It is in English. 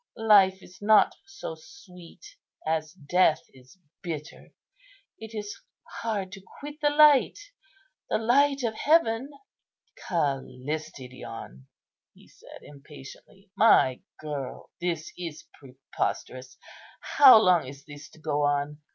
Life is not so sweet as death is bitter. It is hard to quit the light, the light of heaven." "Callistidion!" he said, impatiently; "my girl, this is preposterous. How long is this to go on?